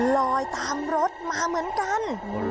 ลอยตามรถมาเหมือนกัน